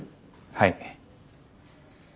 はい。